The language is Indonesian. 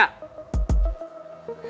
terus kita mau gimana aja